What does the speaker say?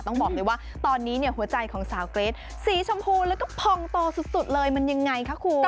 ต้องบอกเลยว่าตอนนี้เนี่ยหัวใจของสาวเกรทสีชมพูแล้วก็พองโตสุดเลยมันยังไงคะคุณ